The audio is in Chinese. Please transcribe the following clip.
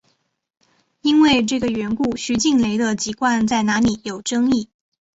因为这个缘故徐静蕾的籍贯在哪里有争议。